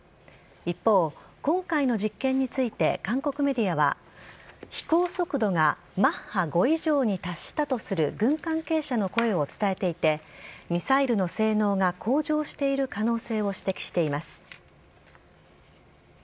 一方、今回の実験について韓国メディアは飛行速度がマッハ５以上に達したとする軍関係者の声を伝えていてミサイルの性能が向上している可能性を指摘しています。